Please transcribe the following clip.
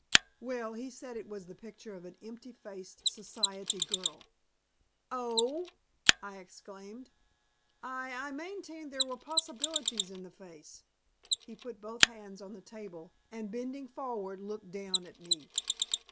"Well, he said it was the picture of an empty faced society girl." "Oh!" I exclaimed. "I I maintained there were possibilities in the face." He put both hands on the table, and, bending forward, looked down at me.